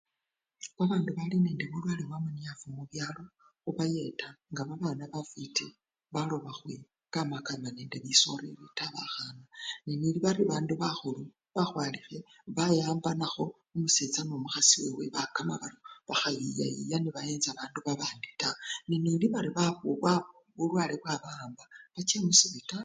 Babandu balinende bulwale bwamunyafu mubyalo khubayeta nga babana kekhe baloba khwikamakama nende bisoleli taa bakhana, naneli bali bandu bakhulu bakhwalikhe bayiyambanakho nga omusecha no mukhasi wewe bakanabaryo, bakhayiya yiya nebayenja babandu bandi taa, neneli bari bulwale bwabawamba, bache mu sipitali.